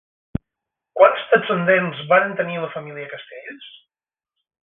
Quants descendents varen tenir la família Castells?